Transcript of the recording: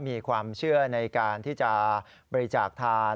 มีความเชื่อในการที่จะบริจาคทาน